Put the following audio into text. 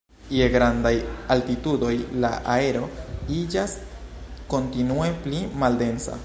Je grandaj altitudoj la aero iĝas kontinue pli maldensa.